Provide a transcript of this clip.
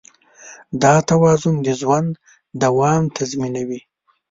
دا توازن د ژوند دوام تضمینوي.